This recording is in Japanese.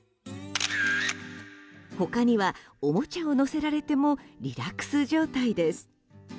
他には、おもちゃを乗せられてもリラックス状態です。